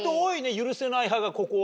許せない派がここは。